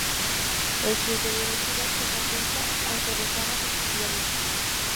El criterio de equidad se contempla, aunque de forma subsidiaria.